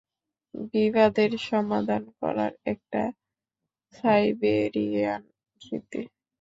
বিবাদের সমাধান করার একটা সাইবেরিয়ান রীতি।